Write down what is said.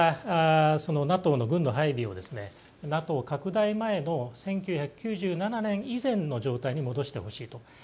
ＮＡＴＯの軍の配備をＮＡＴＯ拡大前の１９９７年以前の状態に戻してほしいと。